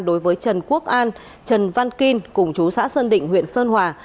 đối với trần quốc an trần văn kim cùng chú xã sơn định huyện sơn hòa